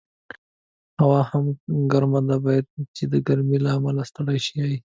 هوا هم ګرمه ده، باید چې د ګرمۍ له امله ستړی شوي یې.